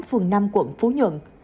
phường năm quận phú nhuận